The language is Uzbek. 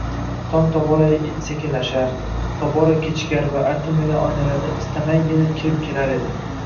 Tong tobora sekinlashar, tobora kechikar va artilmagan oynalardan istamaygina kirib kelar edi.